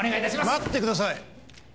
待ってください！